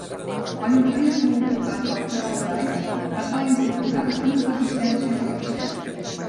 Quan el país fou ocupat pel Tercer Reich es va incorporar a la resistència francesa.